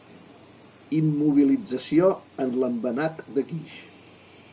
Immobilització en l'embenat de guix.